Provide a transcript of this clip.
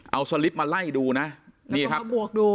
เอาสลิปมาไล่ดูนะนี่ครับบวกดู